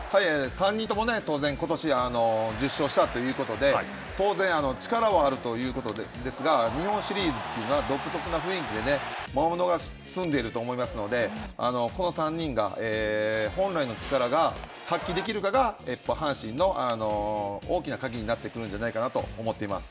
３人とも当然、ことし、１０勝したということで、当然、力はあるということですが、日本シリーズというのは、独特な雰囲気で、魔物がすんでいると思いますので、この３人が、本来の力が発揮できるかが、阪神の大きな鍵になってくるんじゃないかなと思っています。